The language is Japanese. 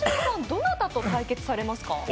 どなたと対決されますか？